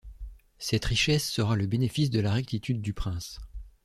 Cette richesse sera le bénéfice de la rectitude du prince.